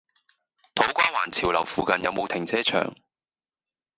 土瓜灣潮樓附近有無停車場？